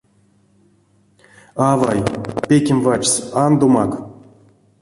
Авай, пекем вачсь, андомак.